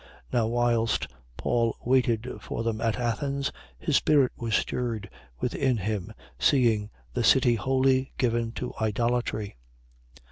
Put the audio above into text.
17:16. Now whilst Paul waited for them at Athens, his spirit was stirred within him, seeing the city wholly given to idolatry.